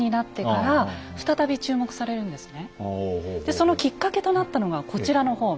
そのきっかけとなったのがこちらの本。